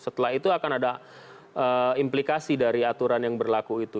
setelah itu akan ada implikasi dari aturan yang berlaku itu